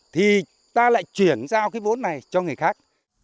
thì ta lại chuyển giao cái vốn này cho người khác